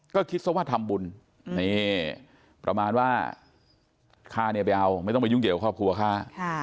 ก็คิดซะว่าทำบุญนี่ประมาณว่าข้าเนี่ยไปเอาไม่ต้องไปยุ่งเกี่ยวครอบครัวข้า